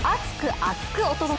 厚く！お届け！